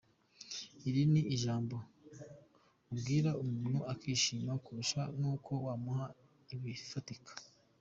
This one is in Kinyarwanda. Iri ni ijambo ubwira umuntu akishima kurusha nuko wamuha ibifatika.